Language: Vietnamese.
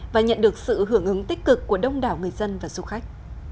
và nhận được sự hưởng ứng tích cực của đông đảo người dân và du khách